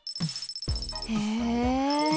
へえ。